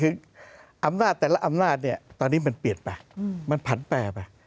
คืออำนาจแต่ละอำนาจเนี่ยตอนนี้มันเปลี่ยนไปมันผันแปรไป